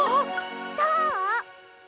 どう！？